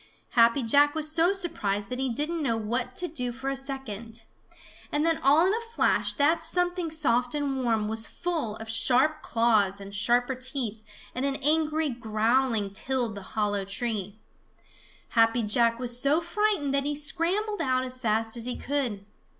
Happy Jack was so surprised that he didn't know what to do for a second. And then all in a flash that something soft and warm was full of sharp claws and sharper teeth, and an angry growling tilled the hollow tree. Happy Jack was so frightened that he scrambled out as fast as he could.